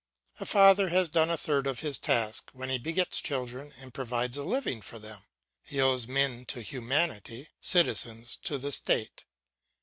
A father has done but a third of his task when he begets children and provides a living for them. He owes men to humanity, citizens to the state.